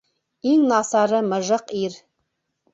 Иң насары мыжыҡ ир.